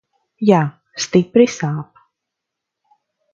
Jā, stipri sāp.